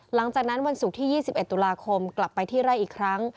หลังจากนั้นวันศุกร์ที่๒๑ตุลาคมกลับไปที่ไร่อีกครั้ง